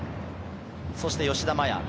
そして吉田麻也。